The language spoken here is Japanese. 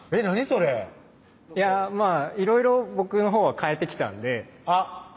それいやまぁいろいろ僕のほうは変えてきたんであっ！